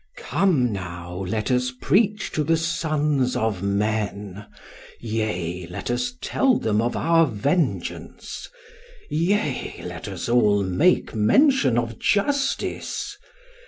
"Come now let us preach to the sons of men; yea, let us tell them of our vengeance; yea, let us all make mention of justice.